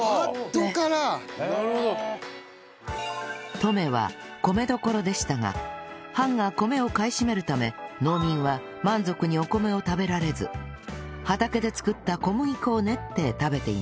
登米は米どころでしたが藩が米を買い占めるため農民は満足にお米を食べられず畑で作った小麦粉を練って食べていました